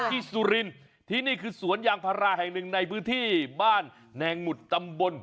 สุรินที่นี่คือสวนยางพาราแห่งหนึ่งในพื้นที่บ้านแนงหมุดตำบล